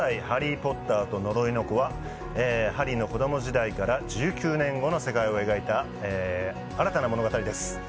「ハリー・ポッターと呪いの子」はハリーの子供時代から１９年後の世界を描いた新たな物語です